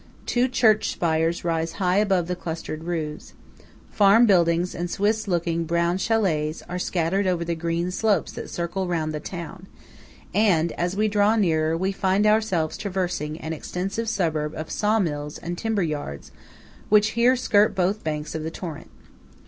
Two church spires rise high above the clustered roofs. Farm buildings and Swiss looking brown chalets are scattered over the green slopes that circle round the town; and as we draw nearer, we find ourselves traversing an extensive suburb of saw mills and timber yards, which here skirt both banks of the torrent.